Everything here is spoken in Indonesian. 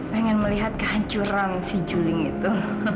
pengen melihat kehancuran si juling itu